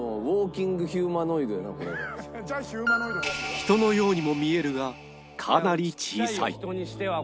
人のようにも見えるがかなり小さい